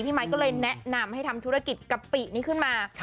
ไมค์ก็เลยแนะนำให้ทำธุรกิจกะปินี้ขึ้นมา